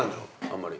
あんまり。